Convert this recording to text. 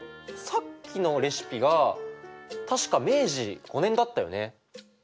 さっきのレシピが確か明治５年だったよね。